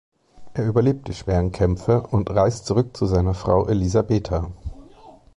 Er überlebt die schweren Kämpfe und reist zurück zu seiner Frau Elisabeta.